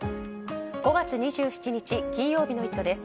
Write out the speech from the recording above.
５月２７日、金曜日の「イット！」です。